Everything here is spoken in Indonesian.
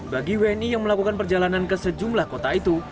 bagi wni yang melakukan perjalanan ke sejumlah kota itu